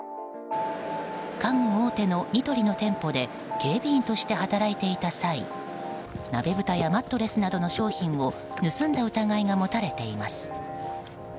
家具大手のニトリの店舗で警備員として働いていた際鍋ぶたやマットレスなどの商品を盗んだ疑いが持たれています。